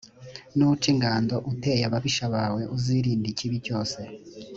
nuca ingando uteye ababisha bawe, uzirinde ikibi cyose.